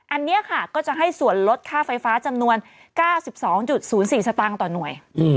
อันนี้ค่ะก็จะให้ส่วนลดค่าไฟฟ้าจำนวน๙๒๐๔สตางค์ต่อหน่วย